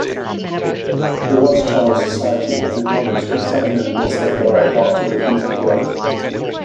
The Watch Tower Society has acknowledged that some members have died after refusing blood.